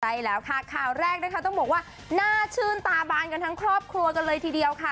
ใช่แล้วค่ะข่าวแรกนะคะต้องบอกว่าน่าชื่นตาบานกันทั้งครอบครัวกันเลยทีเดียวค่ะ